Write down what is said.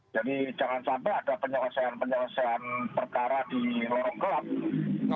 jadi jangan sampai ada penyelesaian penyelesaian perkara di lorong gelap